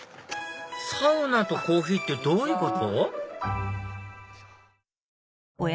サウナとコーヒーってどういうこと？